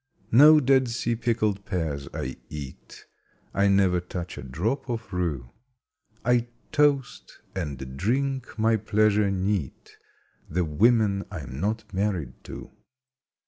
No Dead Sea pickled pears I eat; I never touch a drop of rue; I toast, and drink my pleasure neat, The women I'm not married to!